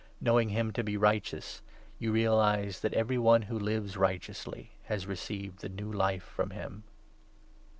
Knowing him to be righteous, you realize that 29 every one who lives righteously has received the new Life from him.